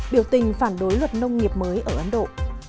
biểu tình phản đối luật nông nghiệp mới ở ấn độ